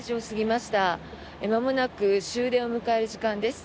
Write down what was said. まもなく終電を迎える時間です。